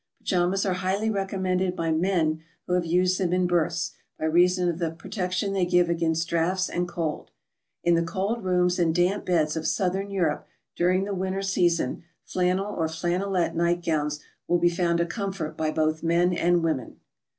Pajamas are highly recommended by men who have used them in berths, by reason of the protection they give against draughts and cold. In the cold rooms and damp beds of Southern Europe during the winter season, flannel or flannelette night gowns will be found a comfort by both men and women.